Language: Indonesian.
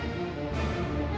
alok ya pros